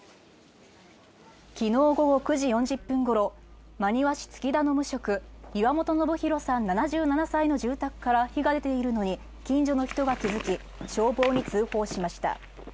昨日午後９時４０分頃、真庭市月田の無職、岩元宣浩さん７７歳の住宅から火が出ているのに近所の人が気づき、消防に通報しました。